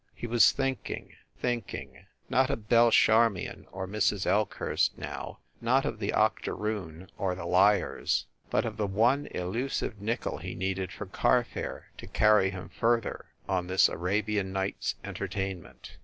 He was thinking, thinking. Not of Belle Charmion or Mrs. Elkhurst, now, not of the octoroon or the Liars, but of the one elusive nickel he needed for carfare to carry him further on this Arabian Night s Entertainment.